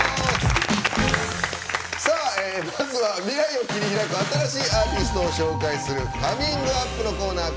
まずは未来を切り開く新しいアーティストを紹介する「ＣｏｍｉｎｇＵｐ！」のコーナー。